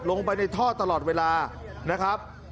ลงไปในท่อตลอดเวลานะครับ